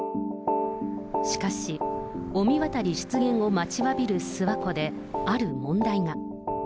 しかし、御神渡り出現を待ちわびる諏訪湖で、ある問題が。